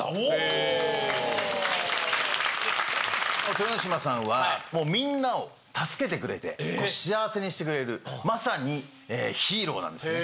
豊ノ島さんはみんなを助けてくれて幸せにしてくれるまさにヒーローなんですね。